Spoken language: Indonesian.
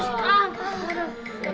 setu dua tiga